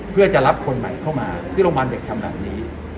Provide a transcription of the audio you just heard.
เพื่อจะรับคนใหม่เข้ามาที่โรงพยาบาลเด็กทำแบบนี้